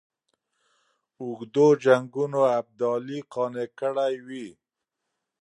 اوږدو جنګونو ابدالي قانع کړی وي.